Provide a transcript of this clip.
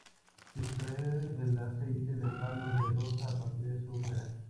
Se extrae el "aceite de palo de rosa", a partir de su madera.